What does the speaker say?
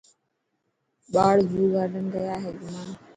ٻاڙ زو گارڊن گيا هي گھمڻ.